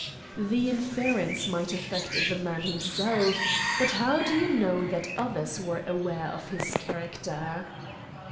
"The inference might affect the man himself, but how do you know that others were aware of his character?"